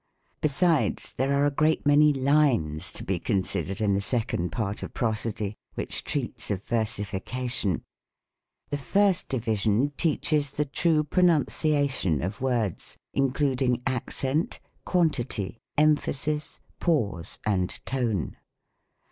Besides, tliere are a great many Unes to be con sidered in the second part of Prosody, which treats of Versification. The first division teaches the true Pro nunciation of Words, including Accent, Quantity, Em phasis, Pause, and Tone.